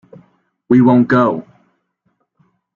We won't go!